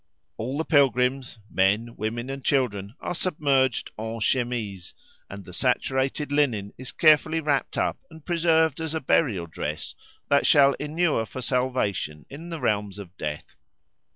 All the pilgrims—men, women, and children—are submerged en chemise, and the saturated linen is carefully wrapped up and preserved as a burial dress that shall enure for salvation in the realms of death.